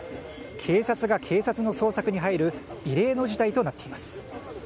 警察が警察の捜索に入る異例の事態となっています。